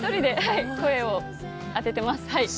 声をあてています。